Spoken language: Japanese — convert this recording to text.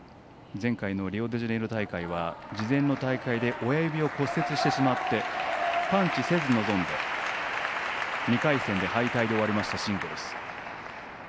前回のリオデジャネイロ大会は事前の大会で親指を骨折してしまって完治せず臨んで２回戦で敗退してしまったシングルス。